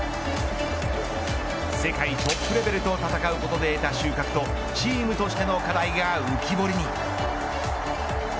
世界トップレベルと戦うことで得た収穫とチームとしての課題が浮き彫りに。